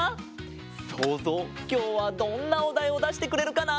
そうぞうきょうはどんなおだいをだしてくれるかな？